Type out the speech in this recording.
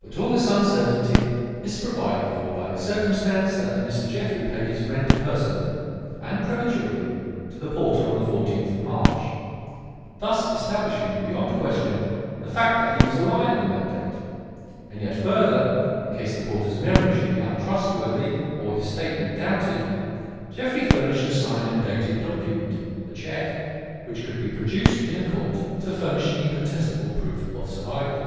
But all this uncertainty is provided for by the circumstance that Mr. Jeffrey paid his rent personally and prematurely to the porter on the fourteenth of March, thus establishing beyond question the fact that he was alive on that date; and yet further, in case the porter's memory should be untrustworthy or his statement doubted, Jeffrey furnished a signed and dated document the cheque which could be produced in a court to furnish incontestable proof of survival.